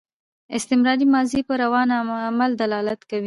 استمراري ماضي پر روان عمل دلالت کوي.